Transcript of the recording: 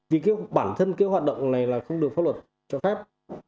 vì cái bản thân cái hoạt động này là không được pháp luật cho phép